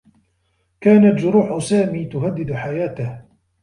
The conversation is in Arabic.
كانت جروح سامي تهدّد حياته.